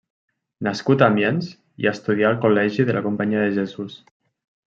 Nascut a Amiens, hi estudià al col·legi de la Companyia de Jesús.